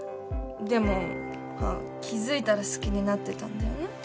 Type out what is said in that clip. でも気付いたら好きになってたんだよね。